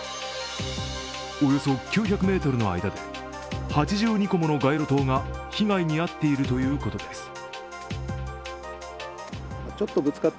およそ９００ｍの間で８２個もの街路灯が被害に遭っているということです。